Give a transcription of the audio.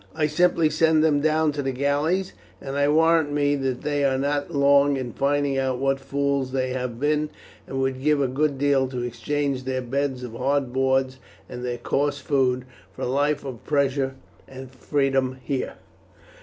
I simply send them down to the galleys, and I warrant me that they are not long in finding out what fools they have been, and would give a good deal to exchange their beds of hard boards and their coarse food for a life of pleasure and freedom here."